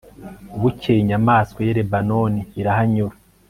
Bukeye inyamaswa y Lebanoni irahanyura